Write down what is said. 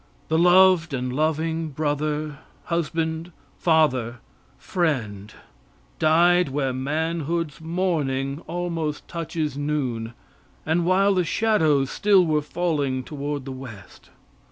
The loved and loving brother, husband, father, friend, died where manhood's morning almost touches noon, and while the shadows still were falling toward the west.